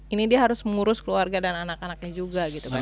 ini dia harus mengurus keluarga dan anak anaknya juga gitu kan